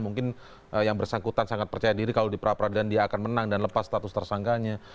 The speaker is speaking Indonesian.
mungkin yang bersangkutan sangat percaya diri kalau di pra peradilan dia akan menang dan lepas status tersangkanya